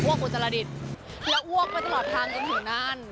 โ่กอุตสรดิสและโ่กไปตลอดทางจนถึงนั้น